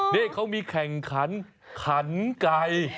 นี่เขามีแข่งขันขันไก่